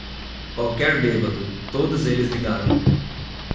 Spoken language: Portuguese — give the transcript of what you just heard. Qualquer bêbado! Todos eles ligaram.